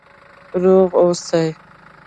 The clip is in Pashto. روغ اوسئ؟